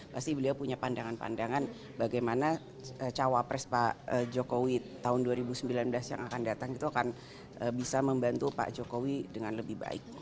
pasti beliau punya pandangan pandangan bagaimana cawapres pak jokowi tahun dua ribu sembilan belas yang akan datang itu akan bisa membantu pak jokowi dengan lebih baik